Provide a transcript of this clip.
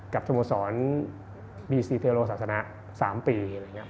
กับสมสรรค์บีศรีเทวโลศาสนะ๓ปี